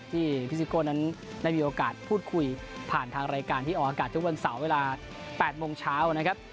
ที่พี่ซิโก้นั้นได้มีโอกาสพูดคุยผ่านทางรายการที่ออกอากาศทุกวันเสาร์เวลา๘โมงเช้านะครับ